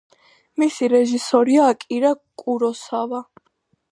მისი რეჟისორია აკირა კუროსავა.